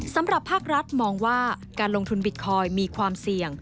สำหรับภาครัฐมองว่าการลงทุนบิตคอยน์มีความเสี่ยง